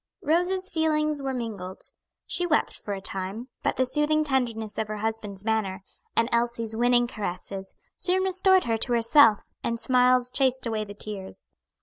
Rose's feelings were mingled. She wept for a time, but the soothing tenderness of her husband's manner, and Elsie's winning caresses, soon restored her to herself, and smiles chased away the tears.